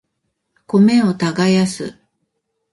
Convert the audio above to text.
米を耕す